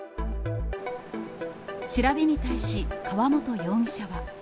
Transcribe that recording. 調べに対し、川本容疑者は。